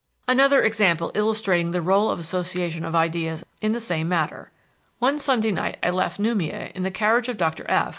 "Another example illustrating the rôle of association of ideas in the same matter. One Sunday night I left Noumea in the carriage of Dr. F......